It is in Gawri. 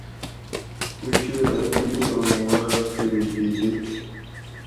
کُچور اۤ دیگیروں مُوں رہ پھریکہ دِت